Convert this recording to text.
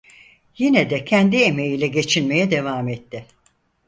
Yine de kendi emeğiyle geçinmeye devam etti.